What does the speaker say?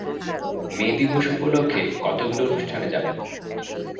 মে দিবস উপলক্ষে কতগুলো অনুষ্ঠানে যাবেন?